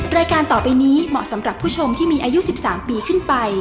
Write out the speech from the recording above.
รายการต่อไปนี้เหมาะสำหรับผู้ชมที่มีอายุ๑๓ปีขึ้นไป